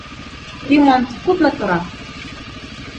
Ремонт күпме тора?